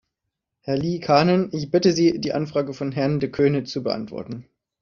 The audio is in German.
Herr Liikanen, ich bitte Sie, die Anfrage von Herrn De Coene zu beantworten.